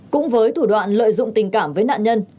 cũng với thủ đoạn lợi dụng tình cảm với nạn nhân